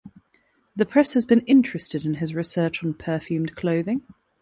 The press has been interested in his research on perfumed clothing.